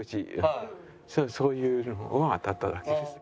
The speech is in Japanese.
そういうのが当たっただけです。